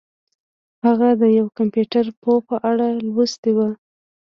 هغه د یو کمپیوټر پوه په اړه لوستي وو